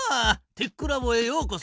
テックラボへようこそ。